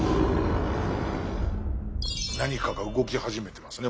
何かが動き始めてますね